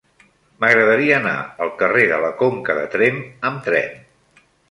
M'agradaria anar al carrer de la Conca de Tremp amb tren.